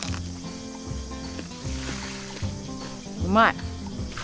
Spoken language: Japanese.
うまい！